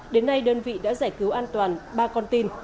đến nay đơn vị đã giải cứu an toàn ba con tin